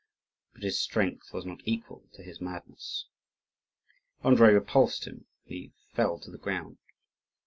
But his strength was not equal to his madness. Andrii repulsed him and he fell to the ground.